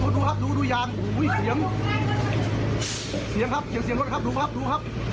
ดูครับดูอย่างเสียงครับเสียงรถครับดูครับ